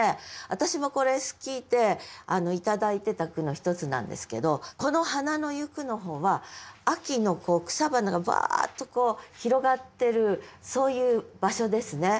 私もこれ好きで頂いてた句の一つなんですけどこの「花野行く」の方は秋の草花がブワッと広がってるそういう場所ですね。